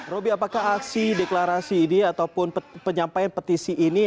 roby apakah aksi deklarasi ini ataupun penyampaian petisi ini